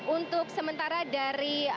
untuk sementara dari